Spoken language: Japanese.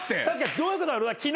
確かにどういうことだろうな。